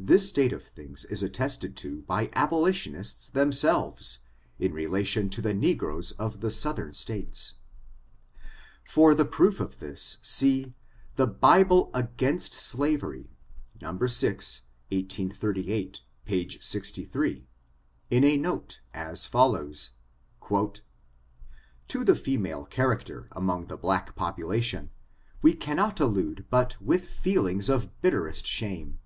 This state of things is attested to by abolitionists themselves, in relation to the negroes of the southern states. Fbr the proof of this, see " The Bible against Slav 184 ORIGIN, CHARACTER, AND ery," No. 6, 1838, page 63, in a note^ as follows: ^' To the female character among the black popular tion, we cannot allude but with fiselings of the bitter est shame.